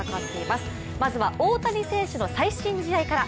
まずは大谷選手の最新試合から。